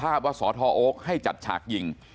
ทำให้สัมภาษณ์อะไรต่างนานไปออกรายการเยอะแยะไปหมด